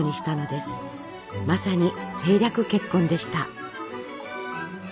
まさに政略結婚でした。